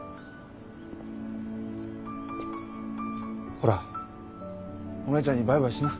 ほらお姉ちゃんにバイバイしな。